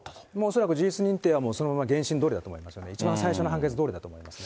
恐らく事実認定はそのまま原審どおりだと思いますね、一番最初の判決どおりだと思います。